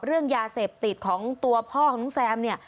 เรื่องยาเสพติดของตัวพ่อของน้องแซมเนี่ย